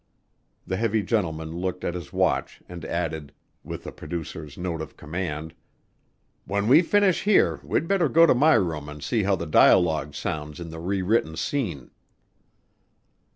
'" The heavy gentleman looked at his watch and added, with the producer's note of command, "When we finish here we'd better go to my room and see how the dialogue sounds in the rewritten scene."